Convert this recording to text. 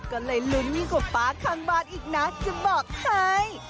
ก็เลยลุ้นยิ่งกว่าป๊าคังบานอีกนะจะบอกให้